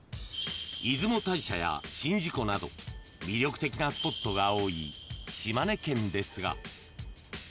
［出雲大社や宍道湖など魅力的なスポットが多い島根県ですが］